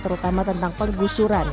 terutama tentang pergusuran